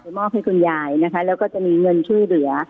มอบให้คุณยายนะคะแล้วก็จะมีเงินช่วยเหลือ